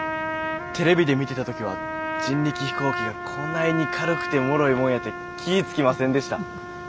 テレビで見てた時は人力飛行機がこないに軽くてもろいもんやて気ぃ付きませんでした。